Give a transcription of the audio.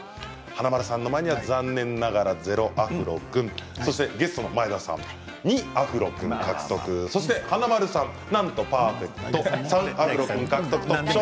華丸さんの前には残念ながら０アフロ君ゲストの前田さん２アフロ君獲得華丸さん、なんとパーフェクト３アフロ君獲得、トップ賞！